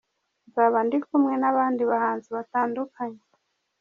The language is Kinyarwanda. Nzaba ndi kumwe n’abandi bahanzi batandukanye.